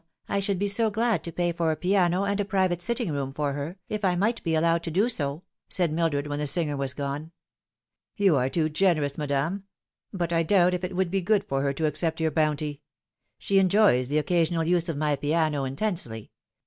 I should be so glad to pay for a piano and a private sitting room for her, if I might be allowed to do so," said Mildred, when the singer was gone. " You are too generous, madame ; but I doubt if it would be good for her to accept your bounty. She enjoys the occasional use of my piano intensely.